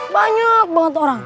banyak banget orang